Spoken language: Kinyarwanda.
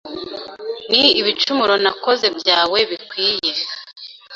Ni ibicumuro nakoze byawe bikwiye